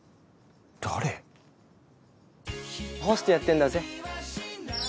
ホストやってんだぜっ。